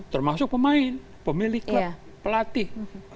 termasuk pemain pemilik klub pelatih